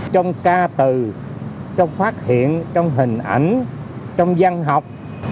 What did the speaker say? trong ca từ trong phát hiện trong hình ảnh trong văn học